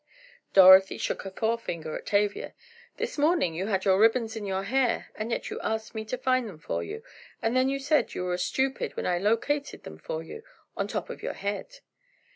Dorothy shook her forefinger at Tavia. "This morning you had your ribbons in your hair, and yet you asked me to find them for you; and then you said you were a 'stupid' when I located them for you—on top of your head."